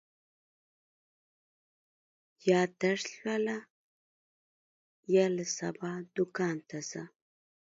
یا درس لوله، یا له سبا دوکان ته ځه.